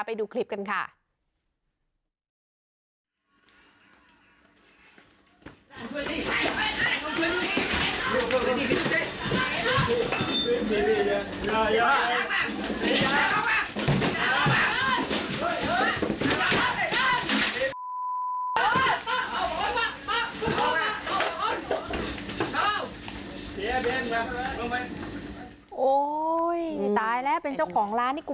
ไปดูคลิปกันค่ะ